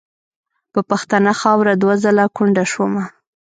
په پښتنه خاوره دوه ځله کونډه شومه .